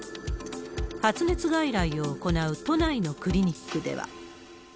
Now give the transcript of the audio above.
発熱外来を行う都内のクリニックでは。